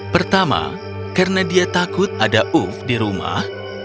pertama karena dia takut ada uf di rumah